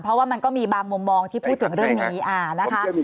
เพราะว่ามันก็มีบางมุมมองที่พูดถึงเรื่องนี้นะคะ